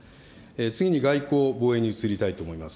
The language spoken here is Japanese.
次に外交・防衛に移りたいと思います。